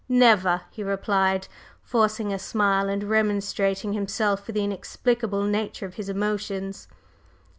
"Never," he replied, forcing a smile and remonstrating with himself for the inexplicable nature of his emotions.